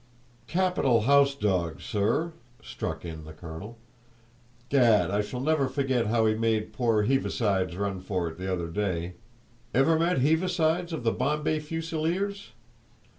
"Capital house dog, sir," struck in the colonel. "Gad, I shall never forget how he made poor Heavisides run for it the other day! Ever met Heavisides of the Bombay Fusileers?